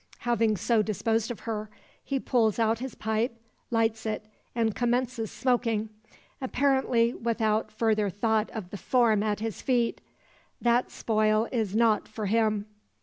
Having so disposed of her, he pulls out his pipe, lights it, and commences smoking, apparently without, further thought of the form at his feet. That spoil is not for him.